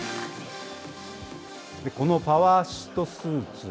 このパワーアシストスーツ。